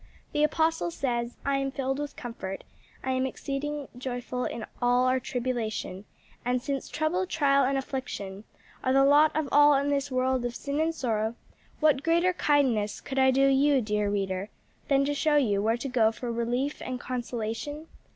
The apostle says, "I am filled with comfort, I am exceeding joyful in all our tribulation;" and since trouble, trial and affliction are the lot of all in this world of sin and sorrow, what greater kindness could I do you, dear reader, than to show you where to go for relief and consolation?